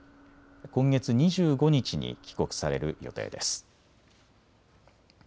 今月２５日に帰国される予定です。